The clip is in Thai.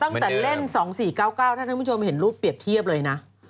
ตั้งแต่เล่น๒๔๙๙ถ้าท่านผู้ชมเห็นรูปเปรียบเทียบเลยนะ